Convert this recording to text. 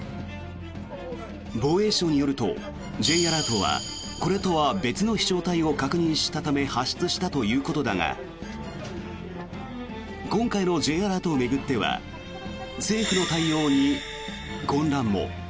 防衛省によるとＪアラートはこれとは別の飛翔体を確認したため発出したということだが今回のＪアラートを巡っては政府の対応に混乱も。